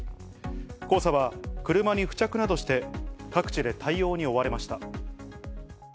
黄砂は車に付着などして、各地で対応に追われました。